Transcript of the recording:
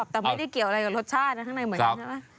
แต่ไม่ได้เกี่ยวอะไรกับรสชาตินะข้างในเหมือนกันใช่ไหม